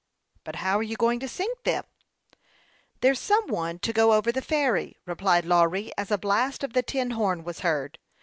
" But how are you going to sink them ?"" There's some one to go over the ferry," replied Lawry, as a blast of the tin horn was heard.